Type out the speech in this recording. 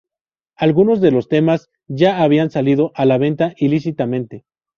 Algunos de los temas, ya habían salido a la venta ilícitamente.